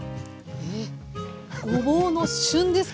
ええ⁉ごぼうの旬ですか。